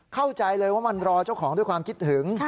เข้าใจเลยว่ามันรอเจ้าของด้วยความคิดถึง